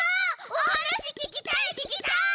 おはなしききたいききたい！